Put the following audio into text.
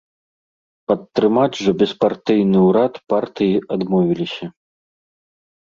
Падтрымаць жа беспартыйны ўрад партыі адмовіліся.